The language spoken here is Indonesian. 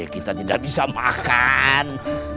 kita tidak bisa makan